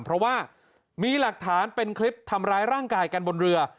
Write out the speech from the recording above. เพราะว่ามีหลักฐานเป็นคลิปทำร้ายร่างกายกันบนเรือ